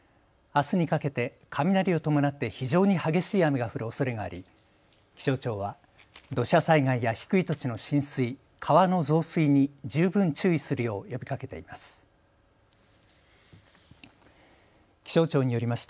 あすにかけて雷を伴って非常に激しい雨が降るおそれがあり、気象庁は土砂災害や低い土地の浸水、川の増水に十分注意するよう呼びかけています。